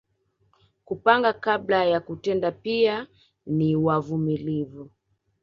Kupanga kabla ya kutenda pia ni wavumilivu